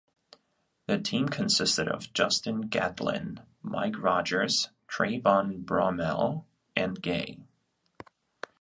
The team consisted of Justin Gatlin, Mike Rodgers, Trayvon Bromell, and Gay.